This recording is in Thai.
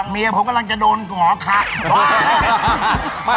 เมียพวก็กำลังจะโดนหอขา